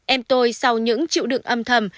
em tôi sau những chịu đựng âm thầm